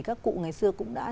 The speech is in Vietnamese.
các cụ ngày xưa cũng đã